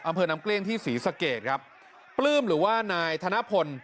อำเภอน้ำเกลี้ยงที่ศรีสะเกดครับปลื้มหรือว่านายธนพล